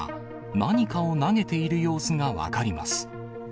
何かを投げている様子が分かります。